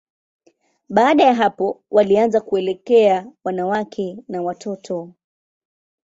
Baada ya hapo, walianza kuelekea wanawake na watoto.